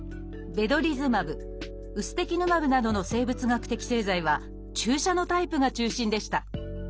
ベドリズマブウステキヌマブなどの生物学的製剤は注射のタイプが中心でした。